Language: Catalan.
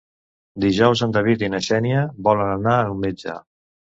Dijous en David i na Xènia volen anar al metge.